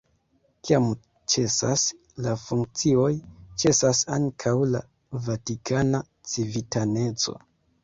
Kiam ĉesas la funkcioj, ĉesas ankaŭ la vatikana civitaneco.